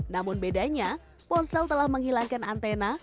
namun bedanya ponsel telah menghilangkan antena